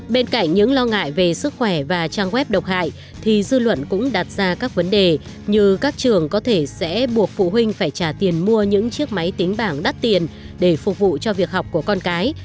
bên cạnh những lo ngại về sức khỏe và trang web độc hại thì dư luận cũng đặt ra các vấn đề như các trường có thể sẽ buộc phụ huynh phải trả tiền mua những chiếc máy tính bảng đắt tiền để phục vụ cho việc học của con cái